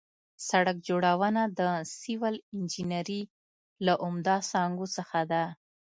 سړک جوړونه د سیول انجنیري له عمده څانګو څخه ده